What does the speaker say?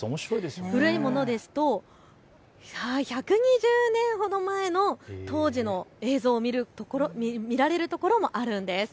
古いものですと１２０年ほど前の当時の映像を見られる所もあるんです。